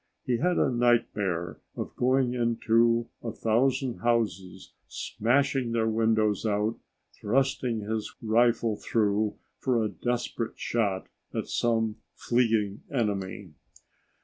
He had a nightmare of going into a thousand houses, smashing their windows out, thrusting his rifle through for a desperate shot at some fleeing enemy.